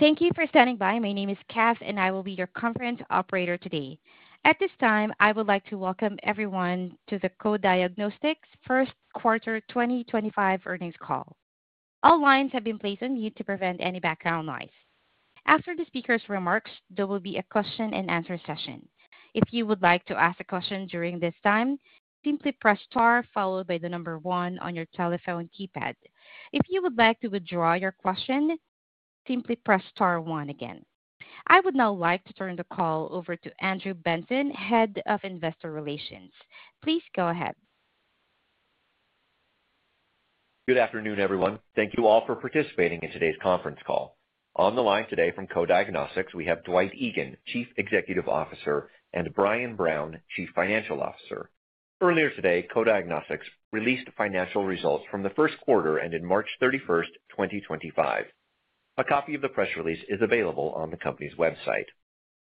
Thank you for standing by. My name is Kath, and I will be your conference operator today. At this time, I would like to welcome everyone to the Co-Diagnostics Q2 2025 earnings call. All lines have been placed on mute to prevent any background noise. After the speaker's remarks, there will be a question-and-answer session. If you would like to ask a question during this time, simply press * followed by the number 1 on your telephone keypad. If you would like to withdraw your question, simply press * again. I would now like to turn the call over to Andrew Benson, Head of Investor Relations. Please go ahead. Good afternoon, everyone. Thank you all for participating in today's conference call. On the line today from Co-Diagnostics, we have Dwight Egan, Chief Executive Officer, and Brian Brown, Chief Financial Officer. Earlier today, Co-Diagnostics released financial results from the first quarter ended March 31, 2025. A copy of the press release is available on the company's website.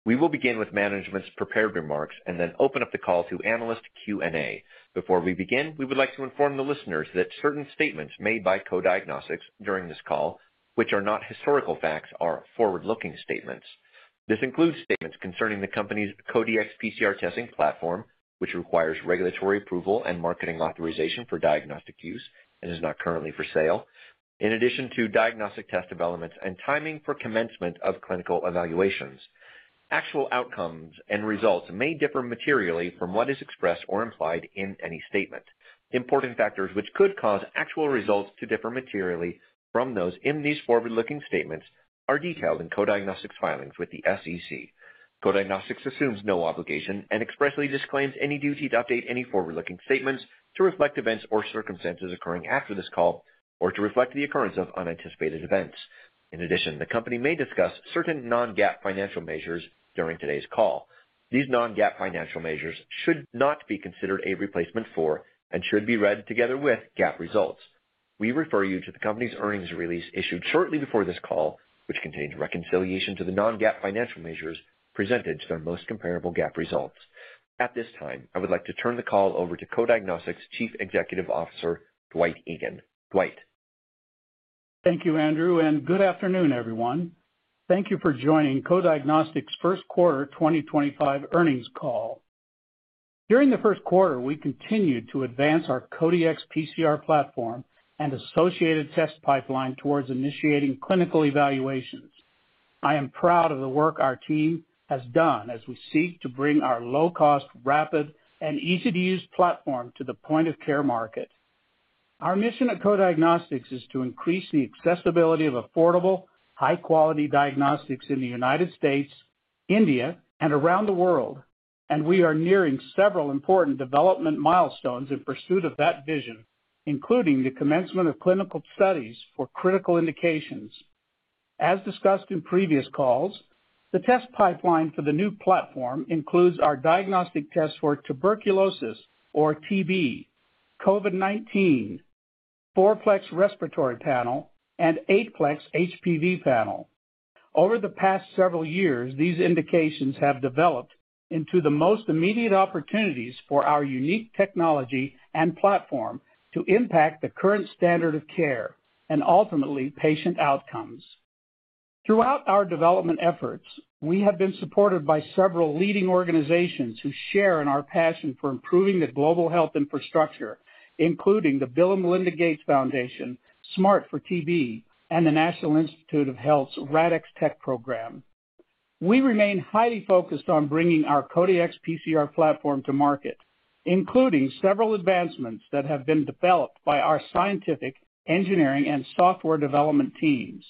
We will begin with management's prepared remarks and then open up the call to analyst Q&A. Before we begin, we would like to inform the listeners that certain statements made by Co-Diagnostics during this call, which are not historical facts, are forward-looking statements. This includes statements concerning the company's CODEX PCR testing platform, which requires regulatory approval and marketing authorization for diagnostic use and is not currently for sale, in addition to diagnostic test developments and timing for commencement of clinical evaluations. Actual outcomes and results may differ materially from what is expressed or implied in any statement. Important factors which could cause actual results to differ materially from those in these forward-looking statements are detailed in Co-Diagnostics' filings with the SEC. Co-Diagnostics assumes no obligation and expressly disclaims any duty to update any forward-looking statements to reflect events or circumstances occurring after this call or to reflect the occurrence of unanticipated events. In addition, the company may discuss certain non-GAAP financial measures during today's call. These non-GAAP financial measures should not be considered a replacement for and should be read together with GAAP results. We refer you to the company's earnings release issued shortly before this call, which contains reconciliation to the non-GAAP financial measures presented to their most comparable GAAP results. At this time, I would like to turn the call over to Co-Diagnostics Chief Executive Officer, Dwight Egan. Dwight. Thank you, Andrew. Good afternoon, everyone. Thank you for joining Co-Diagnostics Q2 2025 earnings call. During the first quarter, we continued to advance our CODEX PCR platform and associated test pipeline towards initiating clinical evaluations. I am proud of the work our team has done as we seek to bring our low-cost, rapid, and easy-to-use platform to the point-of-care market. Our mission at Co-Diagnostics is to increase the accessibility of affordable, high-quality diagnostics in the United States, India, and around the world, and we are nearing several important development milestones in pursuit of that vision, including the commencement of clinical studies for critical indications. As discussed in previous calls, the test pipeline for the new platform includes our diagnostic tests for tuberculosis, or TB, COVID-19, four-plex respiratory panel, and eight-plex HPV panel. Over the past several years, these indications have developed into the most immediate opportunities for our unique technology and platform to impact the current standard of care and ultimately patient outcomes. Throughout our development efforts, we have been supported by several leading organizations who share in our passion for improving the global health infrastructure, including the Bill & Melinda Gates Foundation, SMART for TB, and the National Institutes of Health's RADx Tech program. We remain highly focused on bringing our CODEX PCR platform to market, including several advancements that have been developed by our scientific, engineering, and software development teams.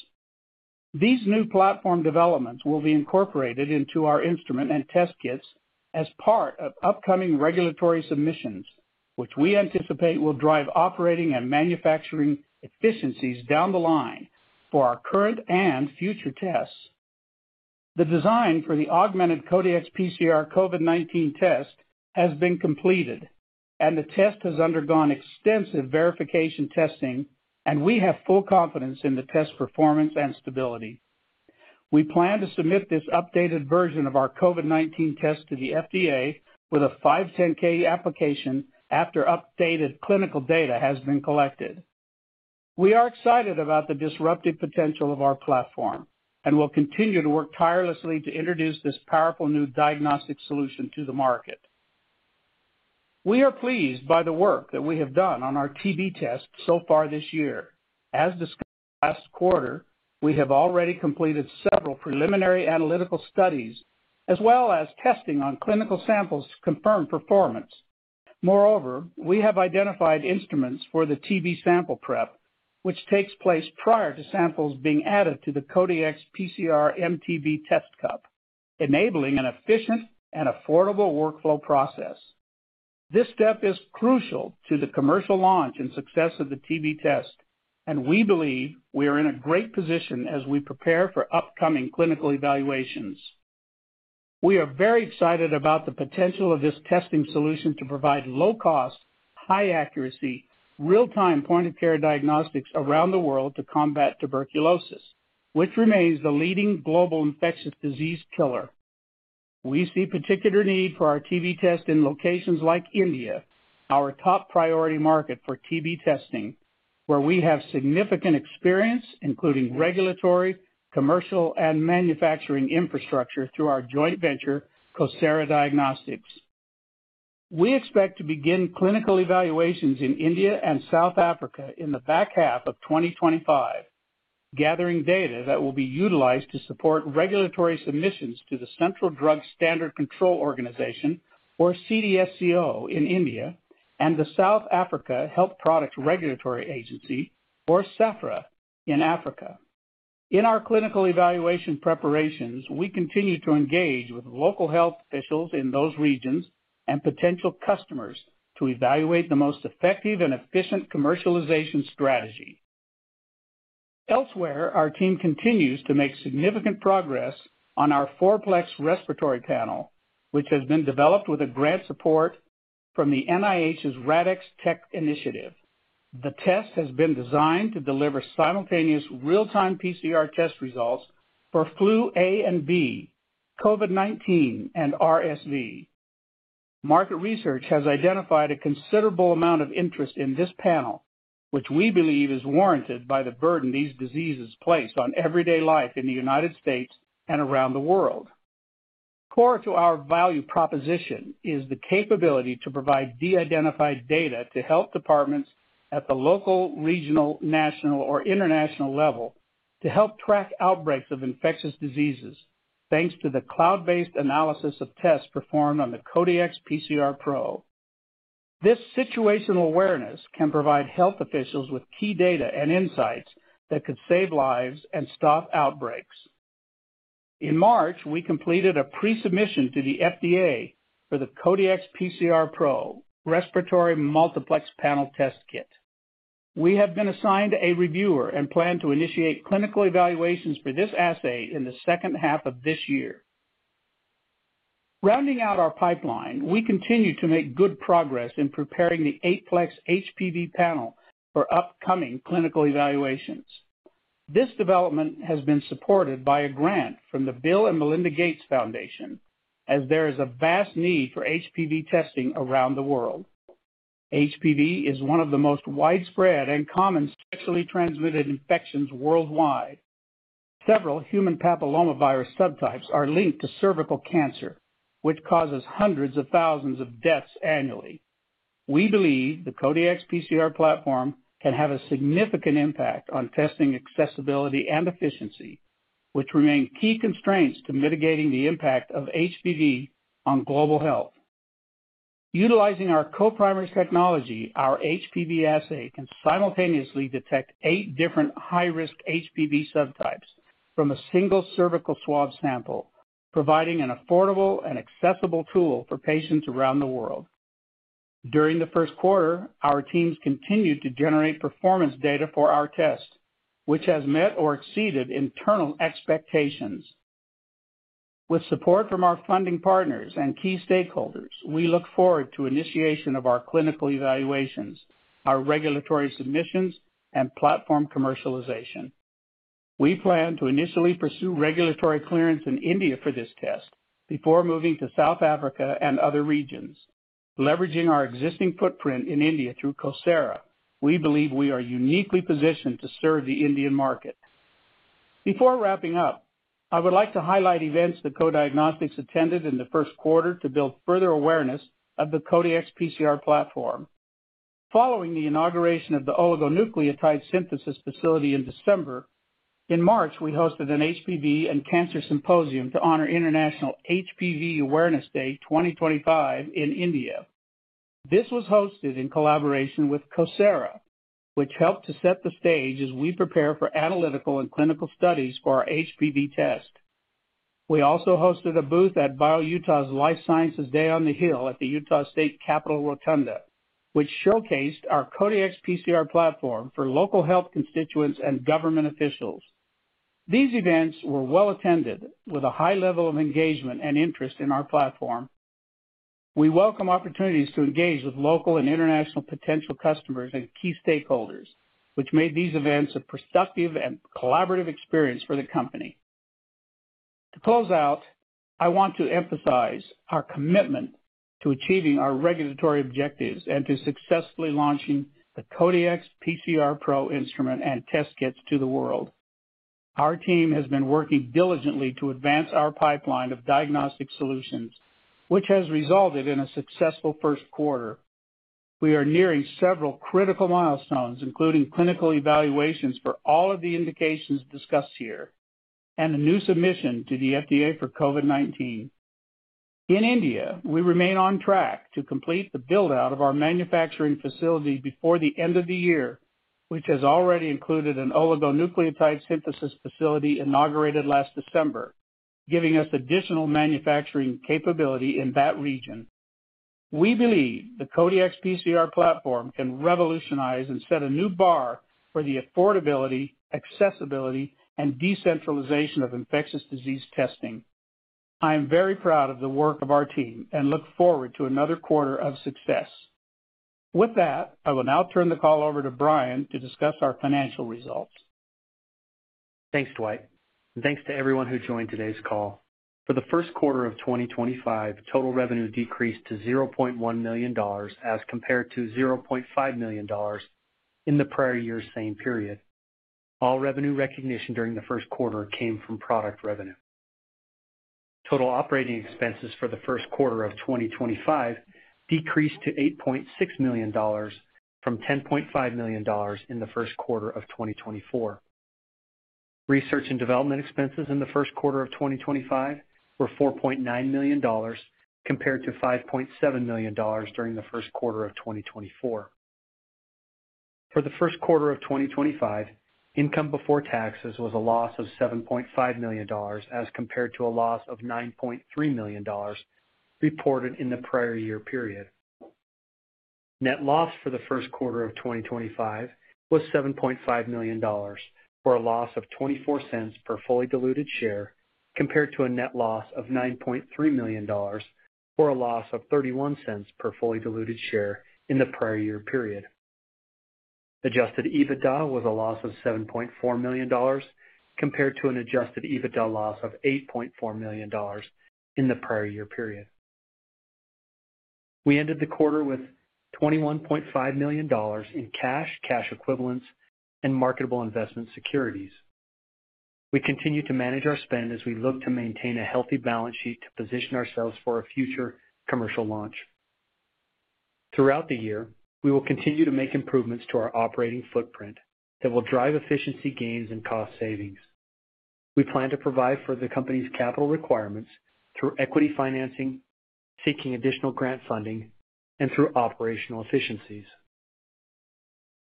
These new platform developments will be incorporated into our instrument and test kits as part of upcoming regulatory submissions, which we anticipate will drive operating and manufacturing efficiencies down the line for our current and future tests. The design for the augmented CODEX PCR COVID-19 test has been completed, and the test has undergone extensive verification testing, and we have full confidence in the test performance and stability. We plan to submit this updated version of our COVID-19 test to the FDA with a 510(k) application after updated clinical data has been collected. We are excited about the disruptive potential of our platform and will continue to work tirelessly to introduce this powerful new diagnostic solution to the market. We are pleased by the work that we have done on our TB test so far this year. As discussed last quarter, we have already completed several preliminary analytical studies as well as testing on clinical samples to confirm performance. Moreover, we have identified instruments for the TB sample prep, which takes place prior to samples being added to the CODEX PCR MTB test cup, enabling an efficient and affordable workflow process. This step is crucial to the commercial launch and success of the TB test, and we believe we are in a great position as we prepare for upcoming clinical evaluations. We are very excited about the potential of this testing solution to provide low-cost, high-accuracy, real-time point-of-care diagnostics around the world to combat tuberculosis, which remains the leading global infectious disease killer. We see particular need for our TB test in locations like India, our top priority market for TB testing, where we have significant experience, including regulatory, commercial, and manufacturing infrastructure through our joint venture, CoSara Diagnostics. We expect to begin clinical evaluations in India and South Africa in the back half of 2025, gathering data that will be utilized to support regulatory submissions to the Central Drugs Standard Control Organization, or CDSCO in India, and the South African Health Products Regulatory Authority, or SAHPRA, in Africa. In our clinical evaluation preparations, we continue to engage with local health officials in those regions and potential customers to evaluate the most effective and efficient commercialization strategy. Elsewhere, our team continues to make significant progress on our four-plex respiratory panel, which has been developed with grant support from the NIH's RADxTech initiative. The test has been designed to deliver simultaneous real-time PCR test results for flu A and B, COVID-19, and RSV. Market research has identified a considerable amount of interest in this panel, which we believe is warranted by the burden these diseases place on everyday life in the United States and around the world. Core to our value proposition is the capability to provide de-identified data to health departments at the local, regional, national, or international level to help track outbreaks of infectious diseases, thanks to the cloud-based analysis of tests performed on the CODEX PCR Pro. This situational awareness can provide health officials with key data and insights that could save lives and stop outbreaks. In March, we completed a pre-submission to the FDA for the CODEX PCR Pro Respiratory Multiplex Panel Test Kit. We have been assigned a reviewer and plan to initiate clinical evaluations for this assay in the second half of this year. Rounding out our pipeline, we continue to make good progress in preparing the eight-plex HPV panel for upcoming clinical evaluations. This development has been supported by a grant from the Bill & Melinda Gates Foundation, as there is a vast need for HPV testing around the world. HPV is one of the most widespread and common sexually transmitted infections worldwide. Several human papillomavirus subtypes are linked to cervical cancer, which causes hundreds of thousands of deaths annually. We believe the CODEX PCR platform can have a significant impact on testing accessibility and efficiency, which remain key constraints to mitigating the impact of HPV on global health. Utilizing our co-primer technology, our HPV assay can simultaneously detect eight different high-risk HPV subtypes from a single cervical swab sample, providing an affordable and accessible tool for patients around the world. During the first quarter, our teams continued to generate performance data for our test, which has met or exceeded internal expectations. With support from our funding partners and key stakeholders, we look forward to the initiation of our clinical evaluations, our regulatory submissions, and platform commercialization. We plan to initially pursue regulatory clearance in India for this test before moving to South Africa and other regions. Leveraging our existing footprint in India through CoSara Diagnostics, we believe we are uniquely positioned to serve the Indian market. Before wrapping up, I would like to highlight events that Co-Diagnostics attended in the first quarter to build further awareness of the CODEX PCR platform. Following the inauguration of the oligonucleotide synthesis facility in December, in March, we hosted an HPV and Cancer Symposium to honor International HPV Awareness Day 2025 in India. This was hosted in collaboration with CoSara Diagnostics, which helped to set the stage as we prepare for analytical and clinical studies for our HPV test. We also hosted a booth at BioUtah's Life Sciences Day on the Hill at the Utah State Capitol Rotunda, which showcased our CODEX PCR platform for local health constituents and government officials. These events were well attended with a high level of engagement and interest in our platform. We welcome opportunities to engage with local and international potential customers and key stakeholders, which made these events a productive and collaborative experience for the company. To close out, I want to emphasize our commitment to achieving our regulatory objectives and to successfully launching the CODEX PCR Pro instrument and test kits to the world. Our team has been working diligently to advance our pipeline of diagnostic solutions, which has resulted in a successful first quarter. We are nearing several critical milestones, including clinical evaluations for all of the indications discussed here and a new submission to the FDA for COVID-19. In India, we remain on track to complete the build-out of our manufacturing facility before the end of the year, which has already included an oligonucleotide synthesis facility inaugurated last December, giving us additional manufacturing capability in that region. We believe the CODEX PCR platform can revolutionize and set a new bar for the affordability, accessibility, and decentralization of infectious disease testing. I am very proud of the work of our team and look forward to another quarter of success. With that, I will now turn the call over to Brian to discuss our financial results. Thanks, Dwight. Thanks to everyone who joined today's call. For the first quarter of 2025, total revenue decreased to $0.1 million as compared to $0.5 million in the prior year's same period. All revenue recognition during the first quarter came from product revenue. Total operating expenses for the first quarter of 2025 decreased to $8.6 million from $10.5 million in the first quarter of 2024. Research and development expenses in the first quarter of 2025 were $4.9 million compared to $5.7 million during the first quarter of 2024. For the first quarter of 2025, income before taxes was a loss of $7.5 million as compared to a loss of $9.3 million reported in the prior year period. Net loss for the first quarter of 2025 was $7.5 million for a loss of $0.24 per fully diluted share compared to a net loss of $9.3 million for a loss of $0.31 per fully diluted share in the prior year period. Adjusted EBITDA was a loss of $7.4 million compared to an adjusted EBITDA loss of $8.4 million in the prior year period. We ended the quarter with $21.5 million in cash, cash equivalents, and marketable investment securities. We continue to manage our spend as we look to maintain a healthy balance sheet to position ourselves for a future commercial launch. Throughout the year, we will continue to make improvements to our operating footprint that will drive efficiency gains and cost savings. We plan to provide for the company's capital requirements through equity financing, seeking additional grant funding, and through operational efficiencies.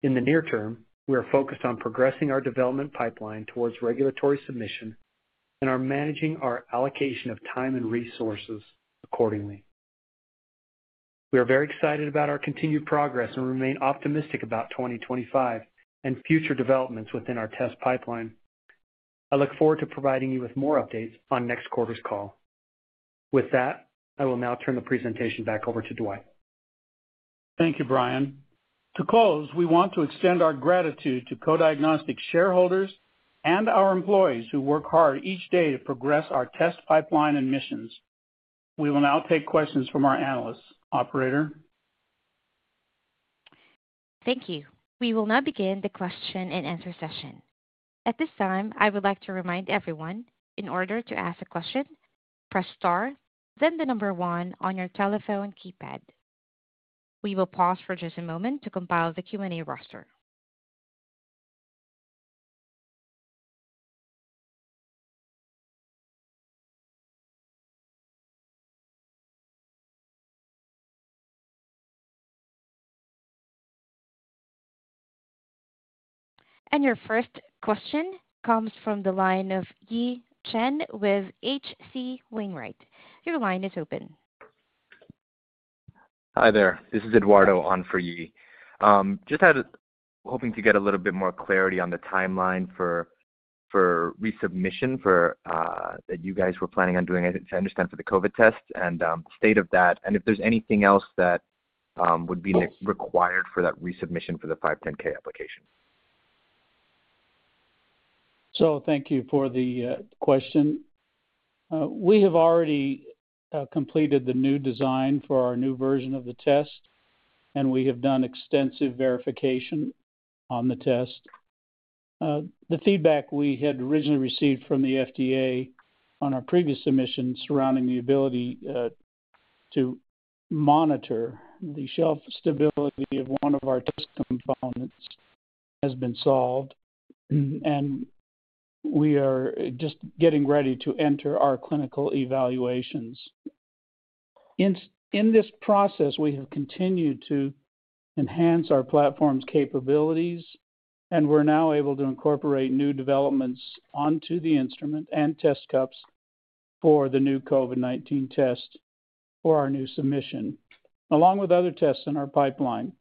In the near term, we are focused on progressing our development pipeline towards regulatory submission and are managing our allocation of time and resources accordingly. We are very excited about our continued progress and remain optimistic about 2025 and future developments within our test pipeline. I look forward to providing you with more updates on next quarter's call. With that, I will now turn the presentation back over to Dwight. Thank you, Brian. To close, we want to extend our gratitude to Co-Diagnostics shareholders and our employees who work hard each day to progress our test pipeline and missions. We will now take questions from our analysts. Operator. Thank you. We will now begin the question and answer session. At this time, I would like to remind everyone, in order to ask a question, press star, then the number one on your telephone keypad. We will pause for just a moment to compile the Q&A roster. Your first question comes from the line of Ye Chen with H.C. Wainwright. Your line is open. Hi there. This is Eduardo on for Ye. Just hoping to get a little bit more clarity on the timeline for resubmission that you guys were planning on doing, I think, to understand for the COVID-19 test and the state of that, and if there's anything else that would be required for that resubmission for the 510(k) application. Thank you for the question. We have already completed the new design for our new version of the test, and we have done extensive verification on the test. The feedback we had originally received from the FDA on our previous submission surrounding the ability to monitor the shelf stability of one of our test components has been solved, and we are just getting ready to enter our clinical evaluations. In this process, we have continued to enhance our platform's capabilities, and we're now able to incorporate new developments onto the instrument and test cups for the new COVID-19 test for our new submission, along with other tests in our pipeline.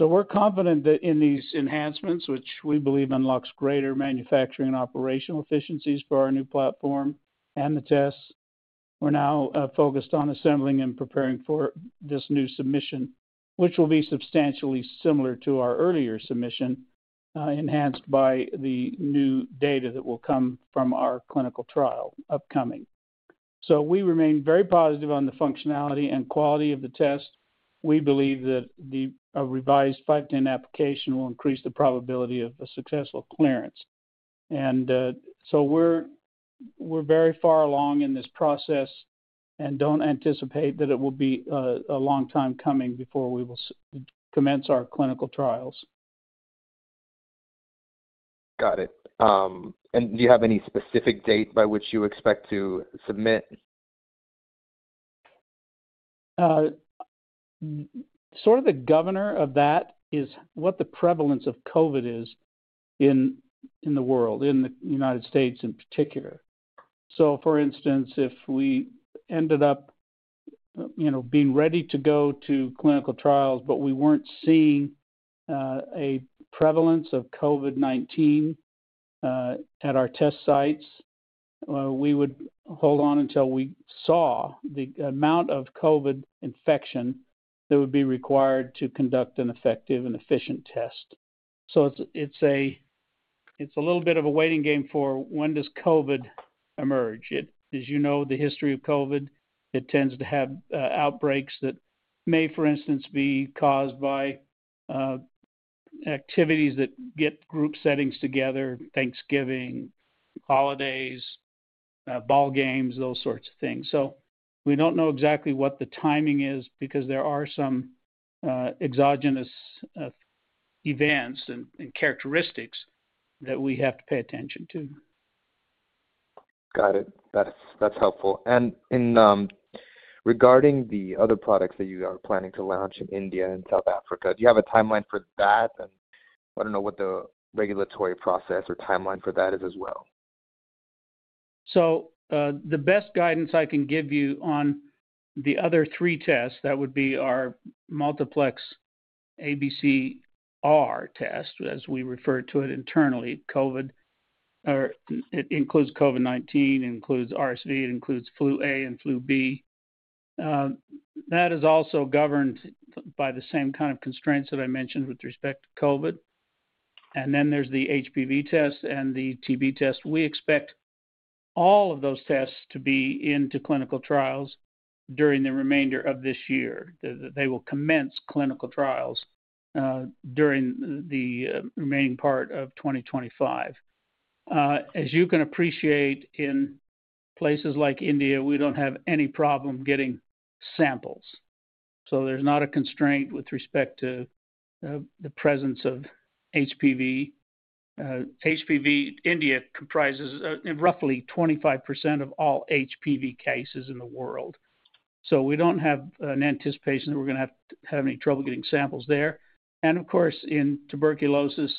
We're confident that in these enhancements, which we believe unlock greater manufacturing and operational efficiencies for our new platform and the tests, we're now focused on assembling and preparing for this new submission, which will be substantially similar to our earlier submission enhanced by the new data that will come from our clinical trial upcoming. We remain very positive on the functionality and quality of the test. We believe that the revised 510(k) application will increase the probability of a successful clearance. We're very far along in this process and don't anticipate that it will be a long time coming before we will commence our clinical trials. Got it. Do you have any specific date by which you expect to submit? Sort of the governor of that is what the prevalence of COVID is in the world, in the United States in particular. For instance, if we ended up being ready to go to clinical trials, but we weren't seeing a prevalence of COVID-19 at our test sites, we would hold on until we saw the amount of COVID infection that would be required to conduct an effective and efficient test. It's a little bit of a waiting game for when does COVID emerge. As you know, the history of COVID, it tends to have outbreaks that may, for instance, be caused by activities that get group settings together, Thanksgiving, holidays, ball games, those sorts of things. We don't know exactly what the timing is because there are some exogenous events and characteristics that we have to pay attention to. Got it. That's helpful. Regarding the other products that you are planning to launch in India and South Africa, do you have a timeline for that? I do not know what the regulatory process or timeline for that is as well. The best guidance I can give you on the other three tests, that would be our multiplex ABCR test, as we refer to it internally. It includes COVID-19, includes RSV, includes flu A and flu B. That is also governed by the same kind of constraints that I mentioned with respect to COVID. Then there's the HPV test and the TB test. We expect all of those tests to be into clinical trials during the remainder of this year. They will commence clinical trials during the remaining part of 2025. As you can appreciate, in places like India, we do not have any problem getting samples. There is not a constraint with respect to the presence of HPV. HPV in India comprises roughly 25% of all HPV cases in the world. We do not have an anticipation that we are going to have any trouble getting samples there. Of course, in tuberculosis,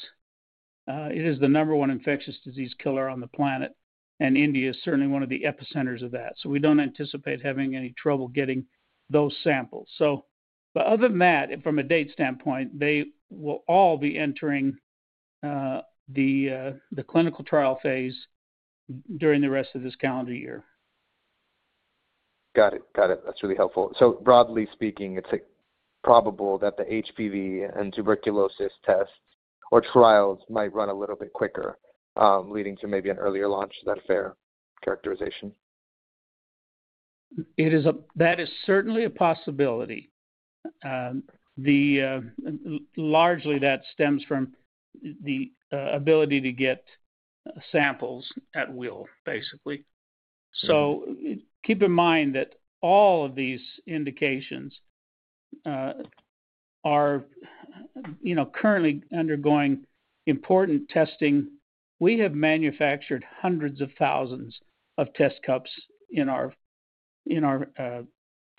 it is the number one infectious disease killer on the planet, and India is certainly one of the epicenters of that. We do not anticipate having any trouble getting those samples. Other than that, from a date standpoint, they will all be entering the clinical trial phase during the rest of this calendar year. Got it. Got it. That's really helpful. Broadly speaking, it's probable that the HPV and tuberculosis tests or trials might run a little bit quicker, leading to maybe an earlier launch. Is that a fair characterization? That is certainly a possibility. Largely, that stems from the ability to get samples at will, basically. Keep in mind that all of these indications are currently undergoing important testing. We have manufactured hundreds of thousands of test cups in our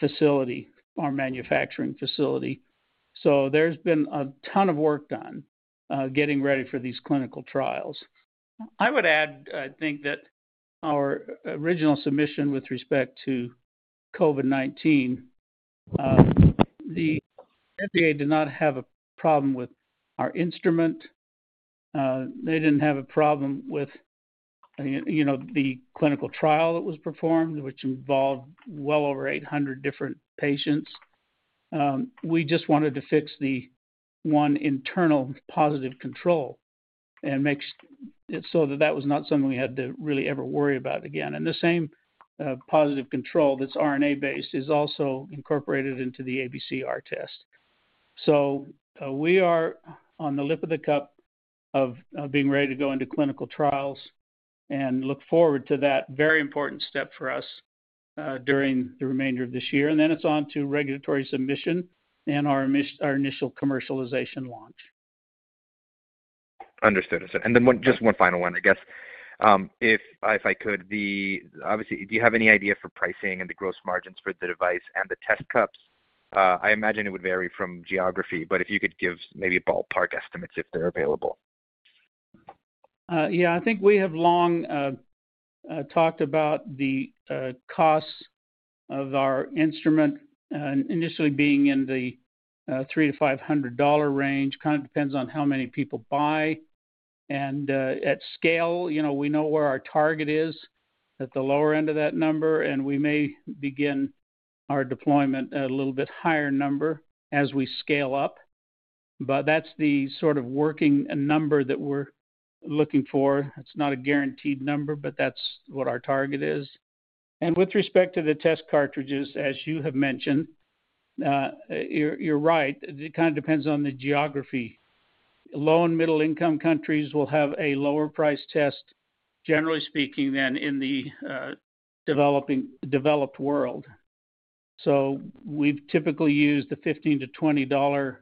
facility, our manufacturing facility. There has been a ton of work done getting ready for these clinical trials. I would add, I think, that our original submission with respect to COVID-19, the FDA did not have a problem with our instrument. They did not have a problem with the clinical trial that was performed, which involved well over 800 different patients. We just wanted to fix the one internal positive control and make it so that that was not something we had to really ever worry about again. The same positive control that is RNA-based is also incorporated into the ABCR test. We are on the lip of the cup of being ready to go into clinical trials and look forward to that very important step for us during the remainder of this year. Then it's on to regulatory submission and our initial commercialization launch. Understood. And then just one final one, I guess. If I could, obviously, do you have any idea for pricing and the gross margins for the device and the test cups? I imagine it would vary from geography, but if you could give maybe ballpark estimates if they're available. Yeah. I think we have long talked about the costs of our instrument initially being in the $300-$500 range. Kind of depends on how many people buy. At scale, we know where our target is, at the lower end of that number, and we may begin our deployment at a little bit higher number as we scale up. That's the sort of working number that we're looking for. It's not a guaranteed number, but that's what our target is. With respect to the test cartridges, as you have mentioned, you're right. It kind of depends on the geography. Low and middle-income countries will have a lower price test, generally speaking, than in the developed world. We've typically used the $15-$20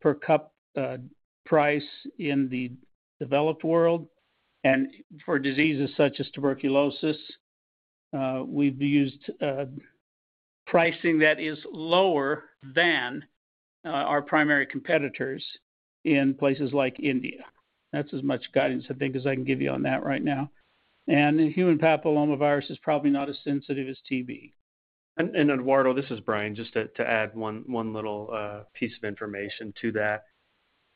per cup price in the developed world. For diseases such as tuberculosis, we've used pricing that is lower than our primary competitors in places like India. That's as much guidance, I think, as I can give you on that right now. Human papillomavirus is probably not as sensitive as TB. Eduardo, this is Brian. Just to add one little piece of information to that,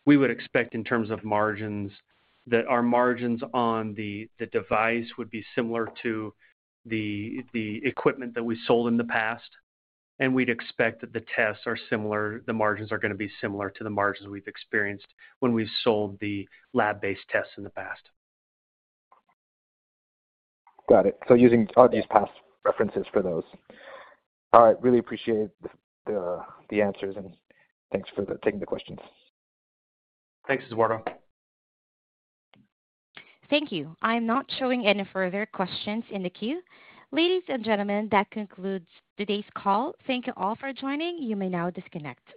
we would expect in terms of margins that our margins on the device would be similar to the equipment that we sold in the past. We'd expect that the tests are similar. The margins are going to be similar to the margins we've experienced when we've sold the lab-based tests in the past. Got it. Using all these past references for those. All right. Really appreciate the answers and thanks for taking the questions. Thanks, Eduardo. Thank you. I am not showing any further questions in the queue. Ladies and gentlemen, that concludes today's call. Thank you all for joining. You may now disconnect.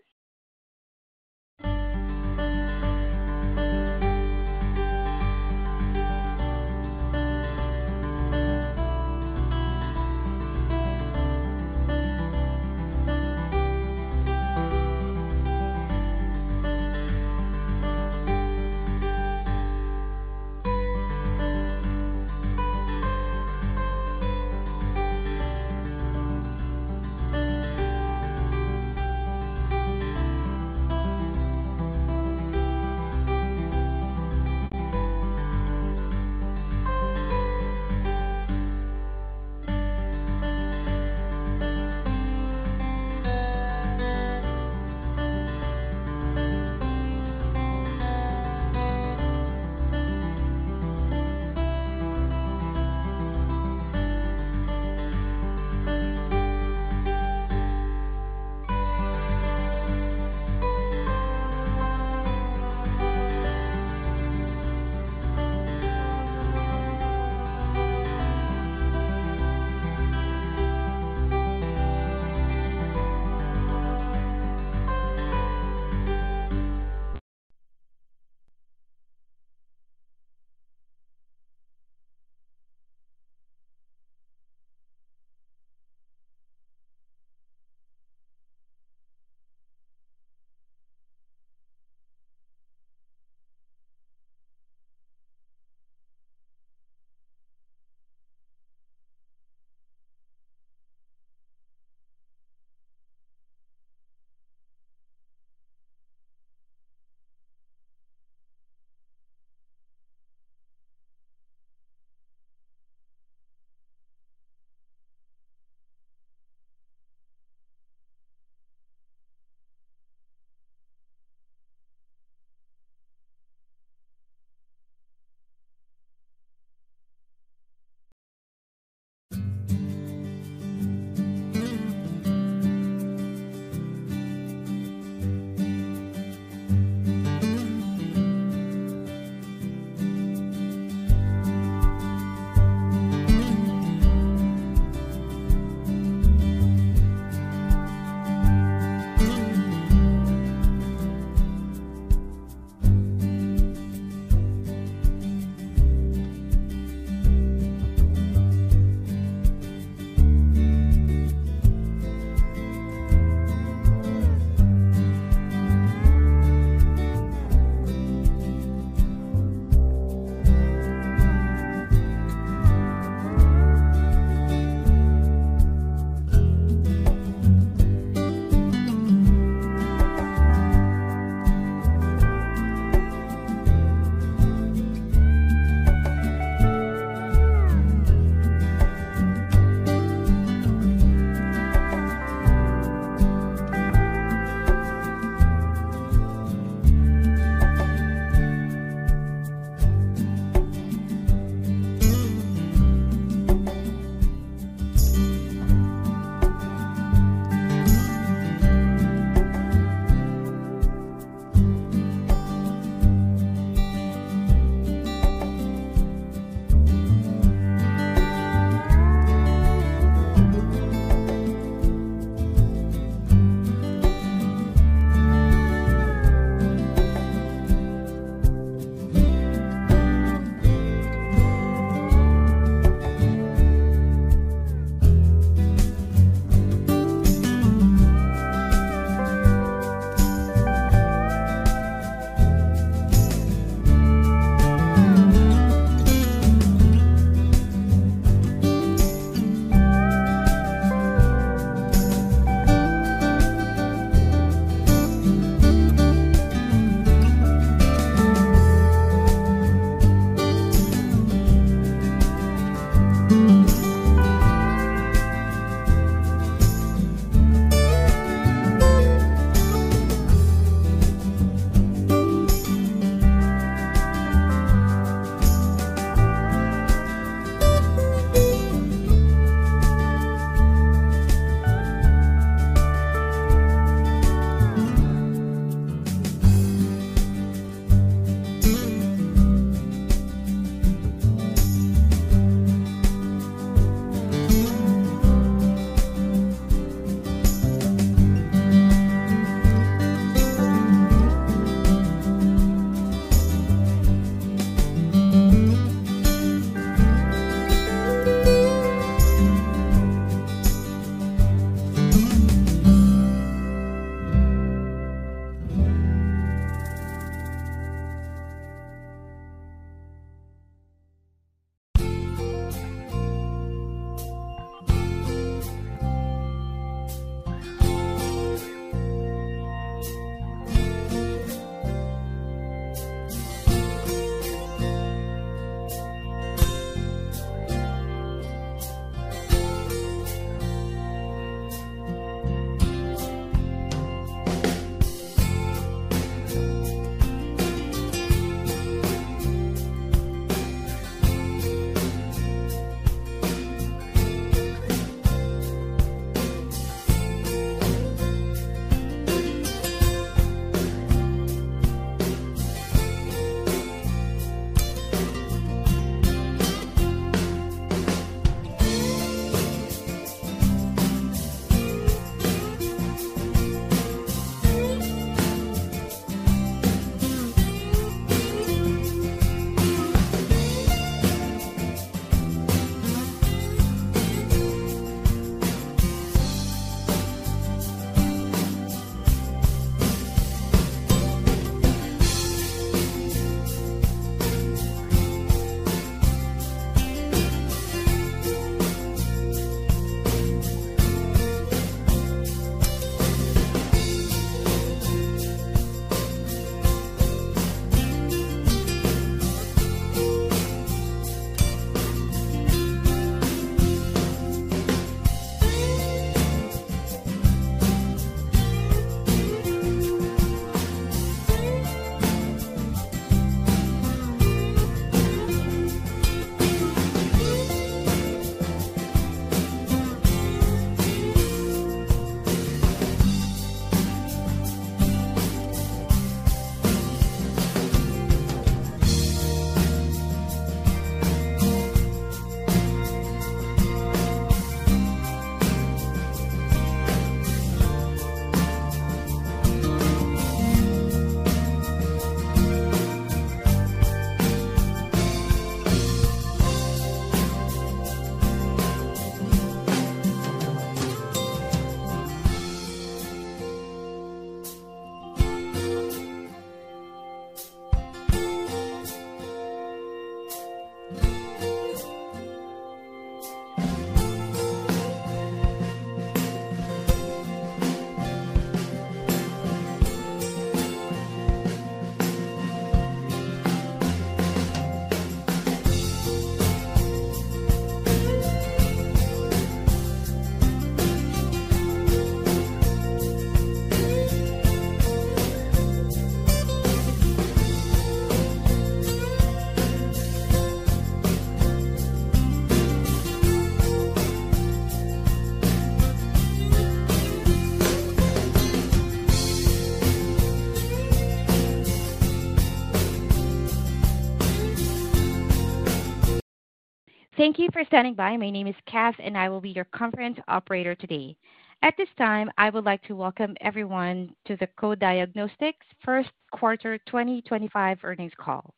Thank you for standing by. My name is Kath, and I will be your conference operator today. At this time, I would like to welcome everyone to the Co-Diagnostics First Quarter 2025 earnings call.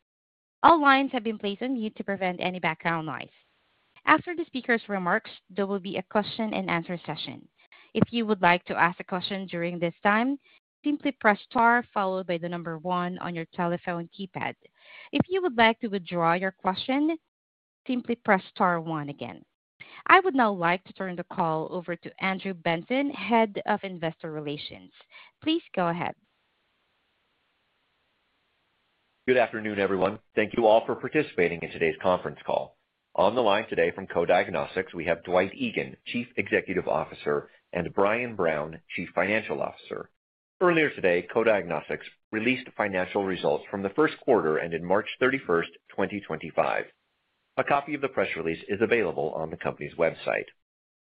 All lines have been placed on mute to prevent any background noise. After the speaker's remarks, there will be a question-and-answer session. If you would like to ask a question during this time, simply press * followed by the number one on your telephone keypad. If you would like to withdraw your question, simply press * one again. I would now like to turn the call over to Andrew Benson, Head of Investor Relations. Please go ahead. Good afternoon, everyone. Thank you all for participating in today's conference call. On the line today from Co-Diagnostics, we have Dwight Egan, Chief Executive Officer, and Brian Brown, Chief Financial Officer. Earlier today, Co-Diagnostics released financial results from the first quarter ended March 31, 2025. A copy of the press release is available on the company's website.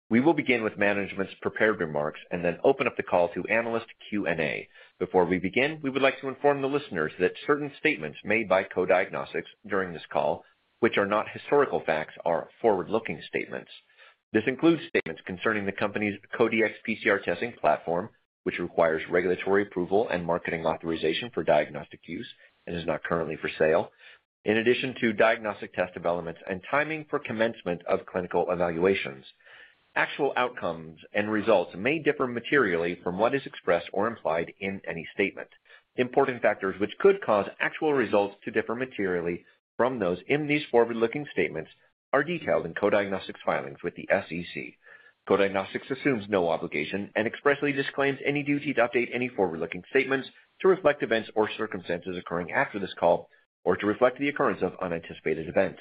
We will begin with management's prepared remarks and then open up the call to analyst Q&A. Before we begin, we would like to inform the listeners that certain statements made by Co-Diagnostics during this call, which are not historical facts, are forward-looking statements. This includes statements concerning the company's CODEX PCR testing platform, which requires regulatory approval and marketing authorization for diagnostic use and is not currently for sale, in addition to diagnostic test developments and timing for commencement of clinical evaluations. Actual outcomes and results may differ materially from what is expressed or implied in any statement. Important factors which could cause actual results to differ materially from those in these forward-looking statements are detailed in Co-Diagnostics' filings with the SEC. Co-Diagnostics assumes no obligation and expressly disclaims any duty to update any forward-looking statements to reflect events or circumstances occurring after this call or to reflect the occurrence of unanticipated events.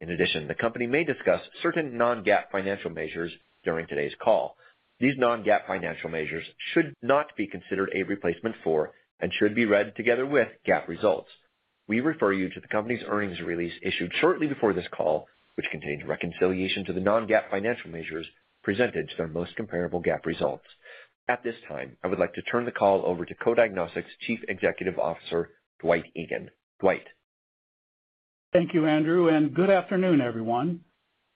In addition, the company may discuss certain non-GAAP financial measures during today's call. These non-GAAP financial measures should not be considered a replacement for and should be read together with GAAP results. We refer you to the company's earnings release issued shortly before this call, which contains reconciliation to the non-GAAP financial measures presented to their most comparable GAAP results. At this time, I would like to turn the call over to Co-Diagnostics' Chief Executive Officer, Dwight Egan. Dwight. Thank you, Andrew. Good afternoon, everyone.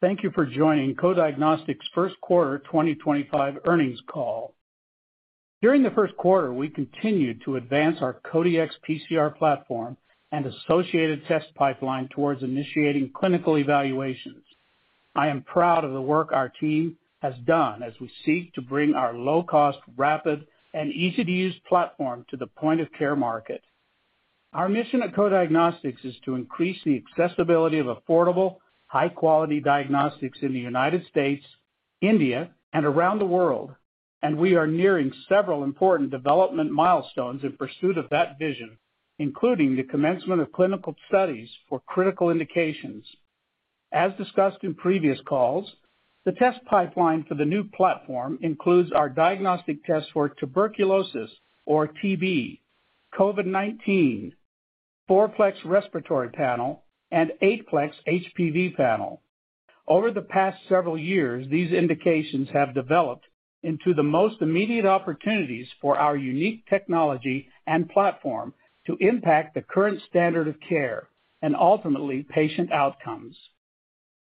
Thank you for joining Co-Diagnostics' first quarter 2025 earnings call. During the first quarter, we continued to advance our CODEX PCR platform and associated test pipeline towards initiating clinical evaluations. I am proud of the work our team has done as we seek to bring our low-cost, rapid, and easy-to-use platform to the point-of-care market. Our mission at Co-Diagnostics is to increase the accessibility of affordable, high-quality diagnostics in the United States, India, and around the world. We are nearing several important development milestones in pursuit of that vision, including the commencement of clinical studies for critical indications. As discussed in previous calls, the test pipeline for the new platform includes our diagnostic tests for tuberculosis, or TB, COVID-19, four-plex respiratory panel, and eight-plex HPV panel. Over the past several years, these indications have developed into the most immediate opportunities for our unique technology and platform to impact the current standard of care and ultimately patient outcomes.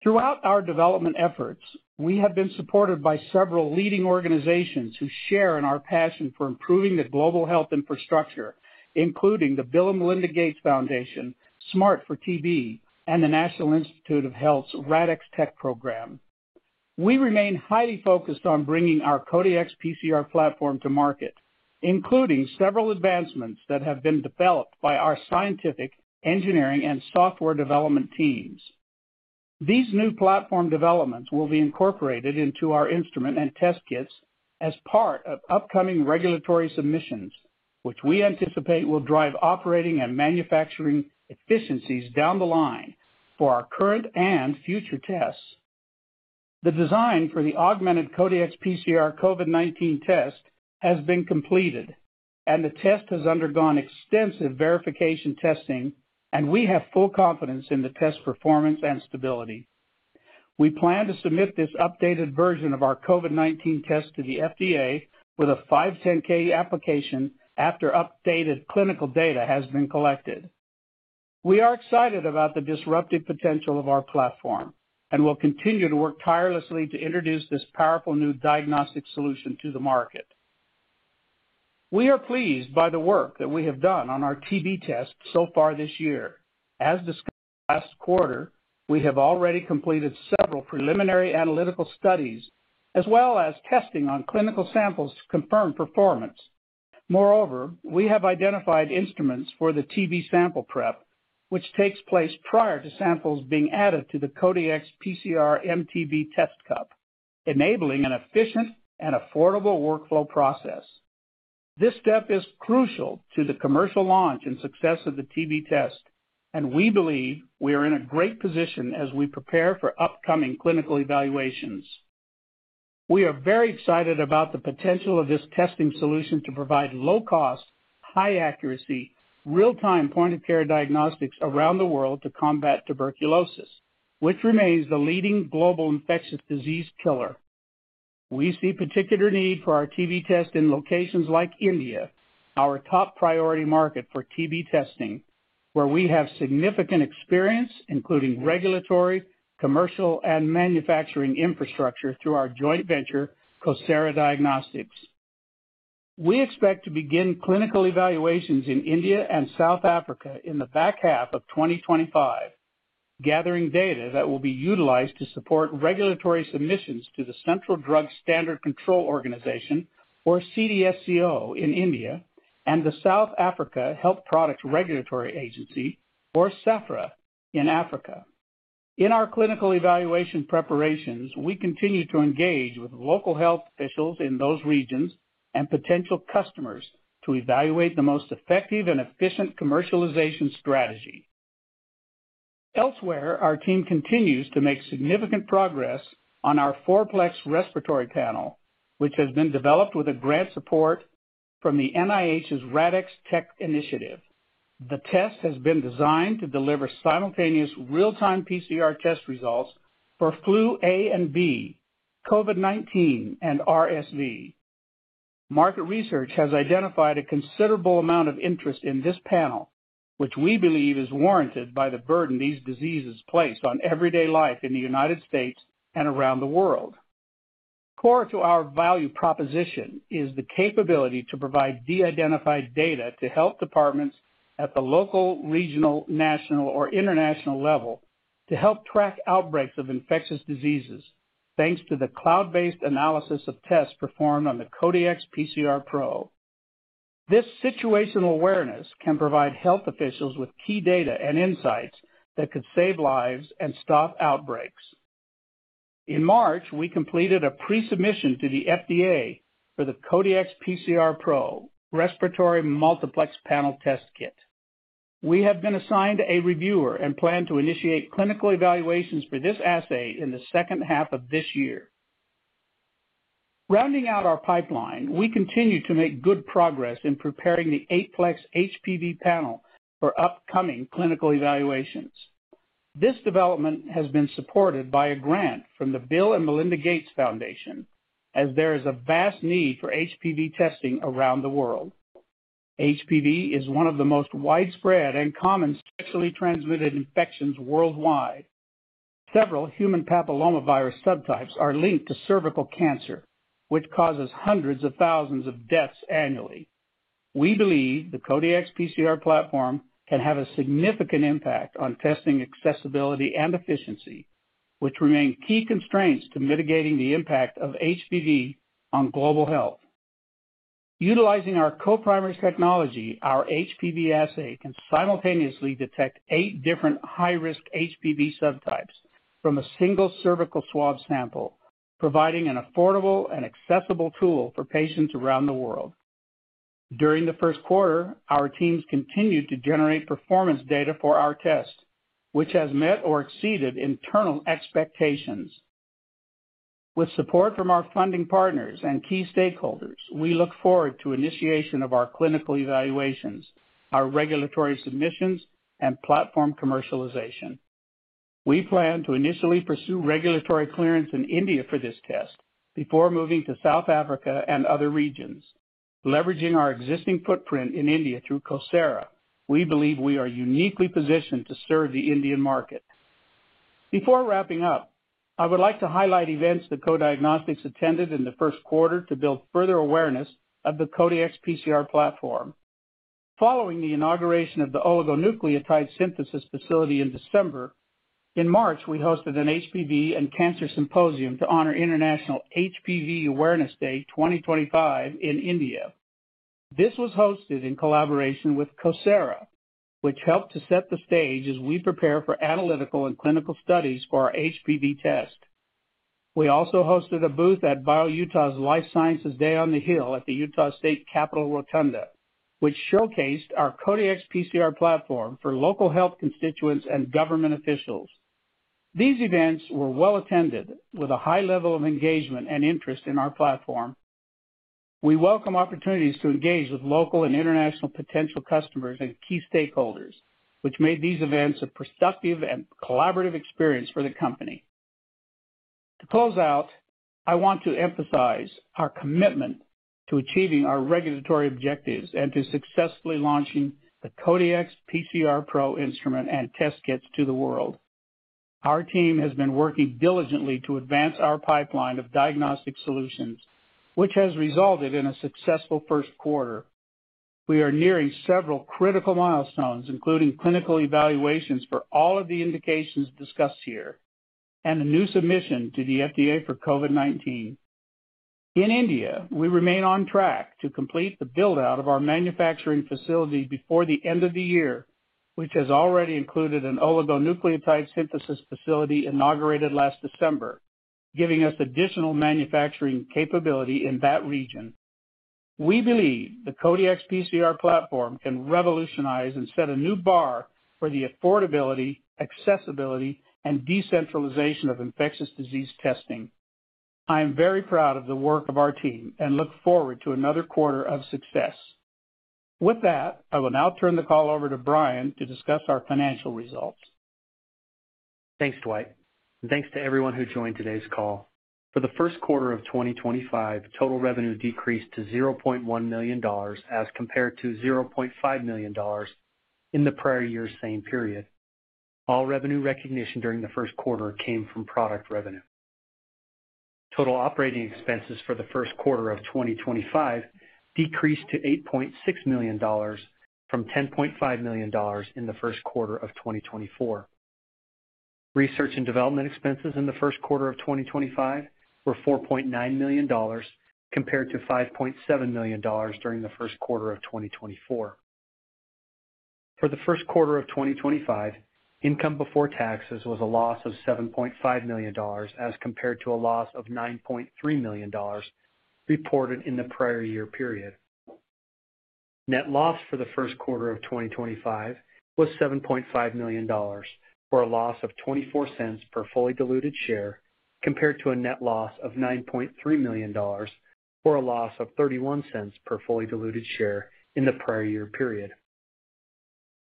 Throughout our development efforts, we have been supported by several leading organizations who share in our passion for improving the global health infrastructure, including the Bill & Melinda Gates Foundation, SMART for TB, and the National Institutes of Health's RADxTech program. We remain highly focused on bringing our CODEX PCR platform to market, including several advancements that have been developed by our scientific, engineering, and software development teams. These new platform developments will be incorporated into our instrument and test kits as part of upcoming regulatory submissions, which we anticipate will drive operating and manufacturing efficiencies down the line for our current and future tests. The design for the augmented CODEX PCR COVID-19 test has been completed, and the test has undergone extensive verification testing, and we have full confidence in the test performance and stability. We plan to submit this updated version of our COVID-19 test to the FDA with a 510(k) application after updated clinical data has been collected. We are excited about the disruptive potential of our platform and will continue to work tirelessly to introduce this powerful new diagnostic solution to the market. We are pleased by the work that we have done on our TB test so far this year. As discussed last quarter, we have already completed several preliminary analytical studies as well as testing on clinical samples to confirm performance. Moreover, we have identified instruments for the TB sample prep, which takes place prior to samples being added to the CODEX PCR MTB test cup, enabling an efficient and affordable workflow process. This step is crucial to the commercial launch and success of the TB test, and we believe we are in a great position as we prepare for upcoming clinical evaluations. We are very excited about the potential of this testing solution to provide low-cost, high-accuracy, real-time point-of-care diagnostics around the world to combat tuberculosis, which remains the leading global infectious disease killer. We see particular need for our TB test in locations like India, our top priority market for TB testing, where we have significant experience, including regulatory, commercial, and manufacturing infrastructure through our joint venture, CoSara Diagnostics. We expect to begin clinical evaluations in India and South Africa in the back half of 2025, gathering data that will be utilized to support regulatory submissions to the Central Drugs Standard Control Organization, or CDSCO in India, and the South African Health Products Regulatory Authority, or SAHPRA, in Africa. In our clinical evaluation preparations, we continue to engage with local health officials in those regions and potential customers to evaluate the most effective and efficient commercialization strategy. Elsewhere, our team continues to make significant progress on our four-plex respiratory panel, which has been developed with grant support from the NIH's RADxTech initiative. The test has been designed to deliver simultaneous real-time PCR test results for flu A and B, COVID-19, and RSV. Market research has identified a considerable amount of interest in this panel, which we believe is warranted by the burden these diseases place on everyday life in the United States and around the world. Core to our value proposition is the capability to provide de-identified data to health departments at the local, regional, national, or international level to help track outbreaks of infectious diseases, thanks to the cloud-based analysis of tests performed on the CODEX PCR Pro. This situational awareness can provide health officials with key data and insights that could save lives and stop outbreaks. In March, we completed a pre-submission to the FDA for the CODEX PCR Pro Respiratory Multiplex Panel Test Kit. We have been assigned a reviewer and plan to initiate clinical evaluations for this assay in the second half of this year. Rounding out our pipeline, we continue to make good progress in preparing the eight-plex HPV panel for upcoming clinical evaluations. This development has been supported by a grant from the Bill & Melinda Gates Foundation, as there is a vast need for HPV testing around the world. HPV is one of the most widespread and common sexually transmitted infections worldwide. Several human papillomavirus subtypes are linked to cervical cancer, which causes hundreds of thousands of deaths annually. We believe the CODEX PCR platform can have a significant impact on testing accessibility and efficiency, which remain key constraints to mitigating the impact of HPV on global health. Utilizing our co-primer technology, our HPV assay can simultaneously detect eight different high-risk HPV subtypes from a single cervical swab sample, providing an affordable and accessible tool for patients around the world. During the first quarter, our teams continued to generate performance data for our test, which has met or exceeded internal expectations. With support from our funding partners and key stakeholders, we look forward to the initiation of our clinical evaluations, our regulatory submissions, and platform commercialization. We plan to initially pursue regulatory clearance in India for this test before moving to South Africa and other regions. Leveraging our existing footprint in India through CoSara, we believe we are uniquely positioned to serve the Indian market. Before wrapping up, I would like to highlight events that Co-Diagnostics attended in the first quarter to build further awareness of the CODEX PCR platform. Following the inauguration of the oligonucleotide synthesis facility in December, in March, we hosted an HPV and Cancer Symposium to honor International HPV Awareness Day 2025 in India. This was hosted in collaboration with CoSara Diagnostics, which helped to set the stage as we prepare for analytical and clinical studies for our HPV test. We also hosted a booth at BioUtah's Life Sciences Day on the Hill at the Utah State Capitol, Rotunda, which showcased our CODEX PCR platform for local health constituents and government officials. These events were well attended with a high level of engagement and interest in our platform. We welcome opportunities to engage with local and international potential customers and key stakeholders, which made these events a productive and collaborative experience for the company. To close out, I want to emphasize our commitment to achieving our regulatory objectives and to successfully launching the CODEX PCR Pro instrument and test kits to the world. Our team has been working diligently to advance our pipeline of diagnostic solutions, which has resulted in a successful first quarter. We are nearing several critical milestones, including clinical evaluations for all of the indications discussed here and a new submission to the FDA for COVID-19. In India, we remain on track to complete the build-out of our manufacturing facility before the end of the year, which has already included an oligonucleotide synthesis facility inaugurated last December, giving us additional manufacturing capability in that region. We believe the CODEX PCR platform can revolutionize and set a new bar for the affordability, accessibility, and decentralization of infectious disease testing. I am very proud of the work of our team and look forward to another quarter of success. With that, I will now turn the call over to Brian to discuss our financial results. Thanks, Dwight. Thanks to everyone who joined today's call. For the first quarter of 2025, total revenue decreased to $0.1 million as compared to $0.5 million in the prior year's same period. All revenue recognition during the first quarter came from product revenue. Total operating expenses for the first quarter of 2025 decreased to $8.6 million from $10.5 million in the first quarter of 2024. Research and development expenses in the first quarter of 2025 were $4.9 million compared to $5.7 million during the first quarter of 2024. For the first quarter of 2025, income before taxes was a loss of $7.5 million as compared to a loss of $9.3 million reported in the prior year period. Net loss for the first quarter of 2025 was $7.5 million for a loss of $0.24 per fully diluted share compared to a net loss of $9.3 million for a loss of $0.31 per fully diluted share in the prior year period.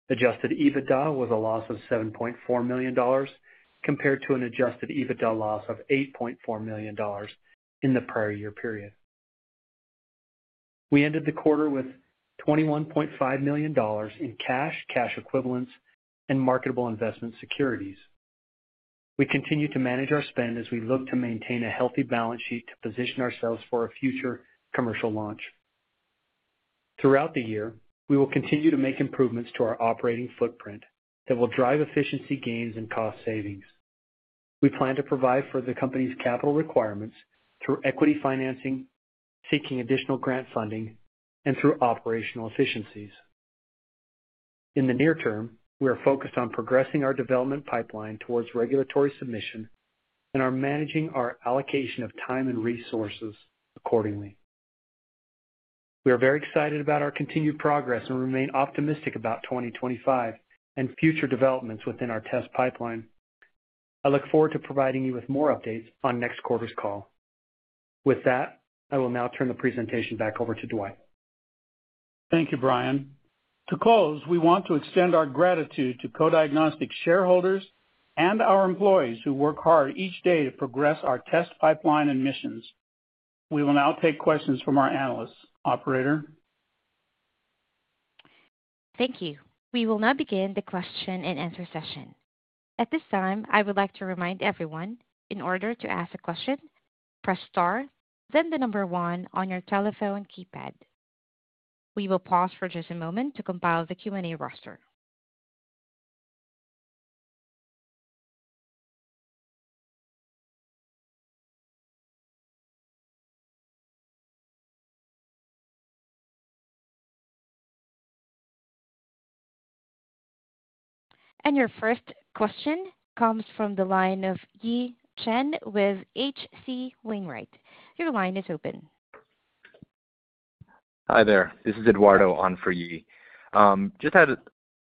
Adjusted EBITDA was a loss of $7.4 million compared to an adjusted EBITDA loss of $8.4 million in the prior year period. We ended the quarter with $21.5 million in cash, cash equivalents, and marketable investment securities. We continue to manage our spend as we look to maintain a healthy balance sheet to position ourselves for a future commercial launch. Throughout the year, we will continue to make improvements to our operating footprint that will drive efficiency gains and cost savings. We plan to provide for the company's capital requirements through equity financing, seeking additional grant funding, and through operational efficiencies. In the near term, we are focused on progressing our development pipeline towards regulatory submission and are managing our allocation of time and resources accordingly. We are very excited about our continued progress and remain optimistic about 2025 and future developments within our test pipeline. I look forward to providing you with more updates on next quarter's call. With that, I will now turn the presentation back over to Dwight. Thank you, Brian. To close, we want to extend our gratitude to Co-Diagnostics shareholders and our employees who work hard each day to progress our test pipeline and missions. We will now take questions from our analysts. Operator. Thank you. We will now begin the question and answer session. At this time, I would like to remind everyone, in order to ask a question, press star, then the number one on your telephone keypad. We will pause for just a moment to compile the Q&A roster. Your first question comes from the line of Ye Chen with H.C. Wainwright. Your line is open. Hi there. This is Eduardo on for Ye. Just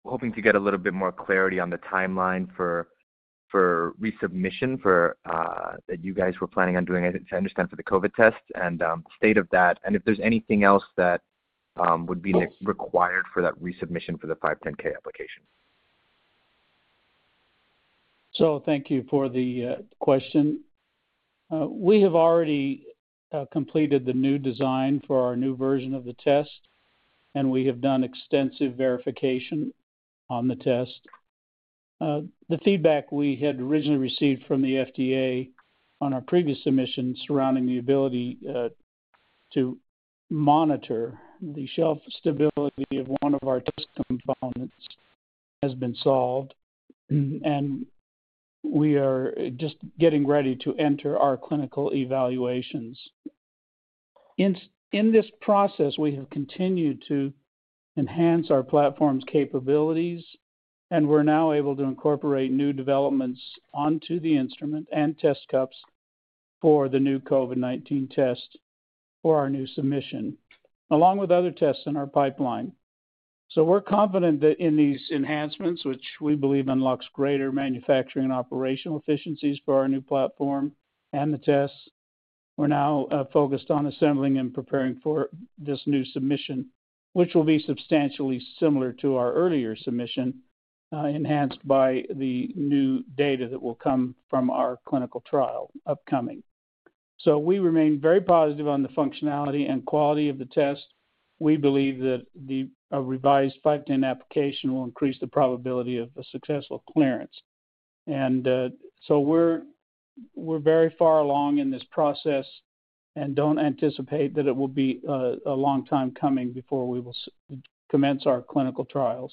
hoping to get a little bit more clarity on the timeline for resubmission that you guys were planning on doing, as I understand, for the COVID-19 test and the state of that, and if there's anything else that would be required for that resubmission for the 510(k) application. Thank you for the question. We have already completed the new design for our new version of the test, and we have done extensive verification on the test. The feedback we had originally received from the FDA on our previous submission surrounding the ability to monitor the shelf stability of one of our test components has been solved, and we are just getting ready to enter our clinical evaluations. In this process, we have continued to enhance our platform's capabilities, and we're now able to incorporate new developments onto the instrument and test cups for the new COVID-19 test for our new submission, along with other tests in our pipeline. We're confident that in these enhancements, which we believe unlock greater manufacturing and operational efficiencies for our new platform and the tests, we're now focused on assembling and preparing for this new submission, which will be substantially similar to our earlier submission, enhanced by the new data that will come from our clinical trial upcoming. We remain very positive on the functionality and quality of the test. We believe that the revised 510(k) application will increase the probability of a successful clearance. We're very far along in this process and don't anticipate that it will be a long time coming before we will commence our clinical trials.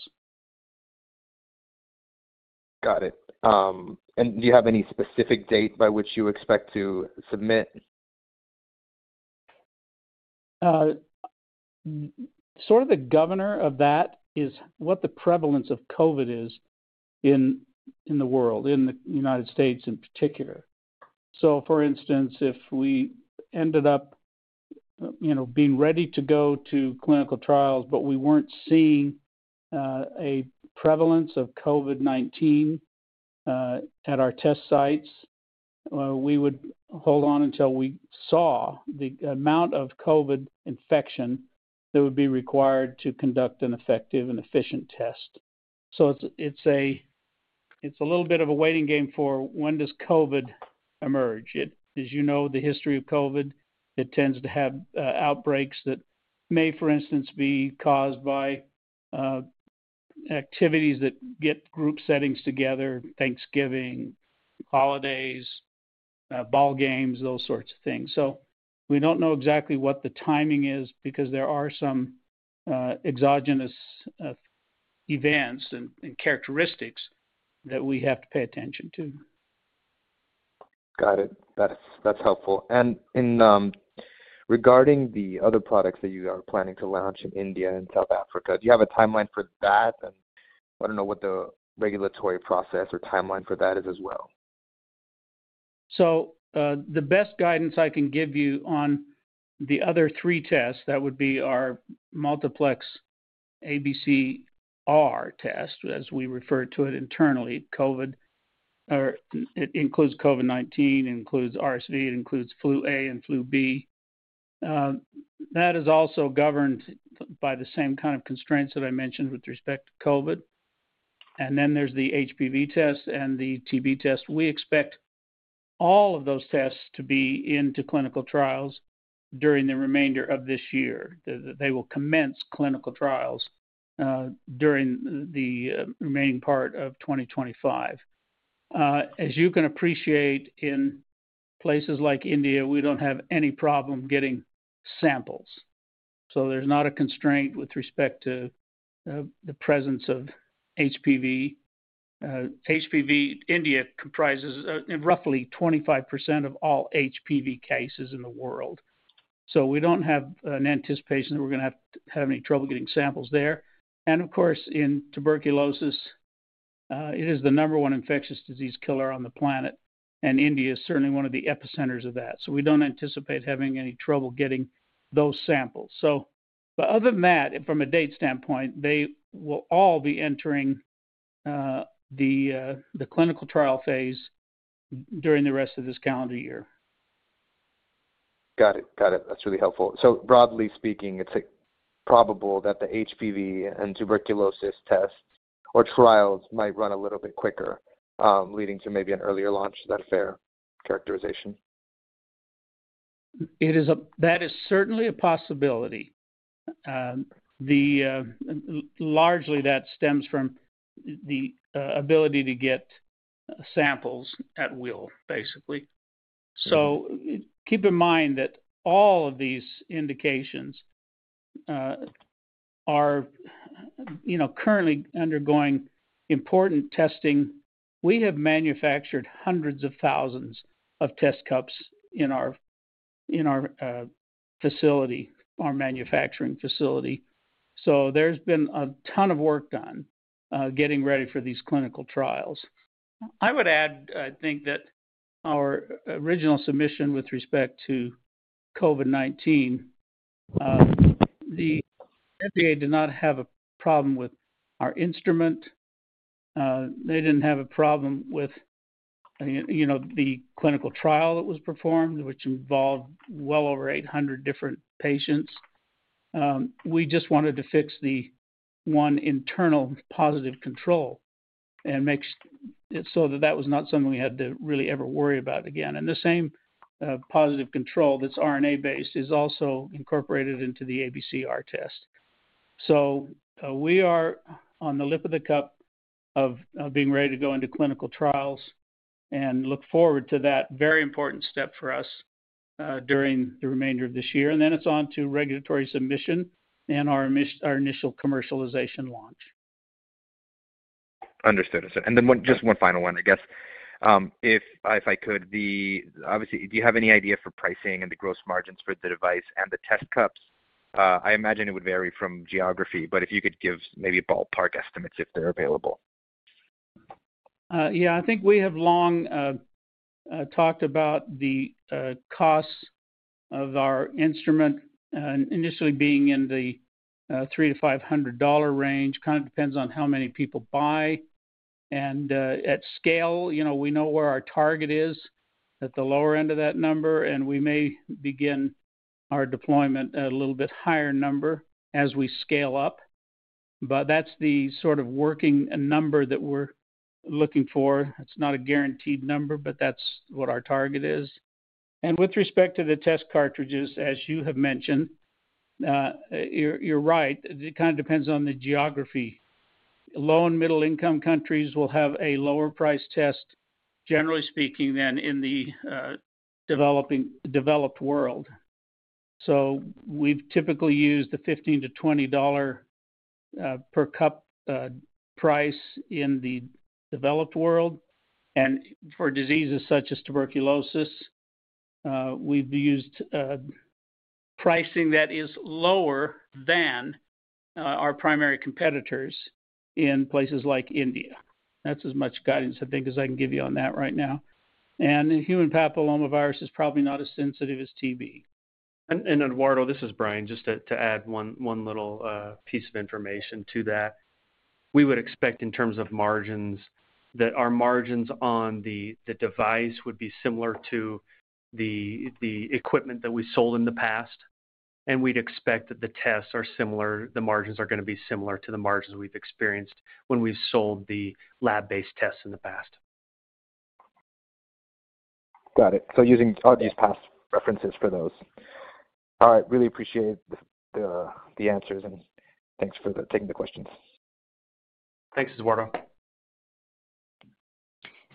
Got it. Do you have any specific date by which you expect to submit? Sort of the governor of that is what the prevalence of COVID is in the world, in the United States in particular. For instance, if we ended up being ready to go to clinical trials, but we were not seeing a prevalence of COVID-19 at our test sites, we would hold on until we saw the amount of COVID infection that would be required to conduct an effective and efficient test. It is a little bit of a waiting game for when does COVID emerge. As you know, the history of COVID, it tends to have outbreaks that may, for instance, be caused by activities that get group settings together, Thanksgiving, holidays, ball games, those sorts of things. We do not know exactly what the timing is because there are some exogenous events and characteristics that we have to pay attention to. Got it. That's helpful. Regarding the other products that you are planning to launch in India and South Africa, do you have a timeline for that? I do not know what the regulatory process or timeline for that is as well. The best guidance I can give you on the other three tests, that would be our multiplex ABCR test, as we refer to it internally. It includes COVID-19, it includes RSV, it includes flu A and flu B. That is also governed by the same kind of constraints that I mentioned with respect to COVID. Then there is the HPV test and the TB test. We expect all of those tests to be into clinical trials during the remainder of this year. They will commence clinical trials during the remaining part of 2025. As you can appreciate, in places like India, we do not have any problem getting samples. There is not a constraint with respect to the presence of HPV. HPV in India comprises roughly 25% of all HPV cases in the world. We do not have an anticipation that we are going to have any trouble getting samples there. Of course, in tuberculosis, it is the number one infectious disease killer on the planet, and India is certainly one of the epicenters of that. We do not anticipate having any trouble getting those samples. Other than that, from a date standpoint, they will all be entering the clinical trial phase during the rest of this calendar year. Got it. Got it. That's really helpful. Broadly speaking, it's probable that the HPV and tuberculosis tests or trials might run a little bit quicker, leading to maybe an earlier launch. Is that a fair characterization? It is. That is certainly a possibility. Largely, that stems from the ability to get samples at will, basically. Keep in mind that all of these indications are currently undergoing important testing. We have manufactured hundreds of thousands of test cups in our manufacturing facility. There has been a ton of work done getting ready for these clinical trials. I would add, I think, that our original submission with respect to COVID-19, the FDA did not have a problem with our instrument. They did not have a problem with the clinical trial that was performed, which involved well over 800 different patients. We just wanted to fix the one internal positive control and make it so that that was not something we had to really ever worry about again. The same positive control that is RNA-based is also incorporated into the ABCR test. We are on the lip of the cup of being ready to go into clinical trials and look forward to that very important step for us during the remainder of this year. Then it's on to regulatory submission and our initial commercialization launch. Understood. And then just one final one, I guess. If I could, obviously, do you have any idea for pricing and the gross margins for the device and the test cups? I imagine it would vary from geography, but if you could give maybe ballpark estimates if they're available. Yeah. I think we have long talked about the costs of our instrument initially being in the $300-$500 range. Kind of depends on how many people buy. At scale, we know where our target is, at the lower end of that number, and we may begin our deployment at a little bit higher number as we scale up. That's the sort of working number that we're looking for. It's not a guaranteed number, but that's what our target is. With respect to the test cartridges, as you have mentioned, you're right. It kind of depends on the geography. Low and middle-income countries will have a lower price test, generally speaking, than in the developed world. We've typically used the $15-$20 per cup price in the developed world. For diseases such as tuberculosis, we've used pricing that is lower than our primary competitors in places like India. That's as much guidance, I think, as I can give you on that right now. Human papillomavirus is probably not as sensitive as TB. Eduardo, this is Brian, just to add one little piece of information to that. We would expect, in terms of margins, that our margins on the device would be similar to the equipment that we sold in the past. We'd expect that the tests are similar. The margins are going to be similar to the margins we've experienced when we've sold the lab-based tests in the past. Got it. Using all these past references for those. All right. Really appreciate the answers, and thanks for taking the questions. Thanks, Eduardo.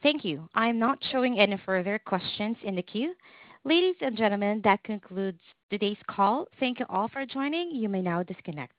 Thank you. I am not showing any further questions in the queue. Ladies and gentlemen, that concludes today's call. Thank you all for joining. You may now disconnect.